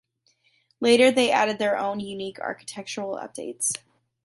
Later they added their own unique architectural updates.